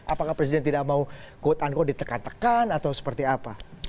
apakah presiden tidak mau quote unquote ditekan tekan atau seperti apa